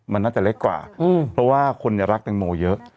มันน่าจะเล็กกว่าเพราะว่าคนรักแตงโมเยอะ